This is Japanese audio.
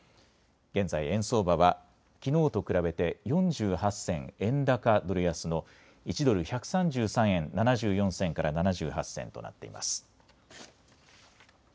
現在、円相場はきのうと比べて４８銭円高ドル安の１ドル１３３円７４銭から７８銭となっています。